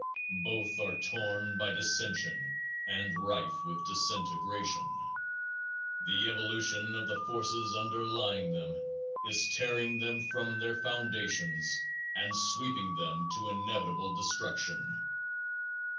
Both are torn by dissension and rife with disintegration. The evolution of the forces underlying them is tearing them from their foundations and sweeping them to inevitable destruction.